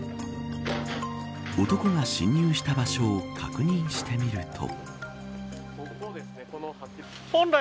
男が侵入した場所を確認してみると。